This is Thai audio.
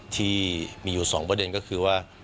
ที่มีอยู่๒ประเด็นก็คือว่า